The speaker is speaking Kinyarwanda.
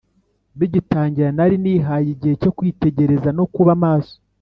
bigitangira nari nihaye igihe cyo kwitegereza no kuba maso.